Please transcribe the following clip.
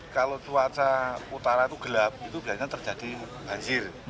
kalau cuaca utara itu gelap itu biasanya terjadi banjir